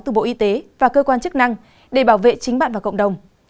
từ bộ y tế và cơ quan chức năng để bảo vệ chính bạn và cộng đồng